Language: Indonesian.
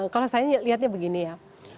kalau saya lihatnya begini ya